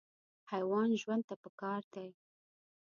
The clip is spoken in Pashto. حیوان ژوند ته پکار دی.